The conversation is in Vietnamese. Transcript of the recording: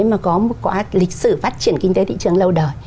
mà có một quả lịch sử phát triển kinh tế thị trường lâu đời